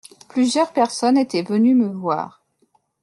Plusieurs personnes étaient venues me voir.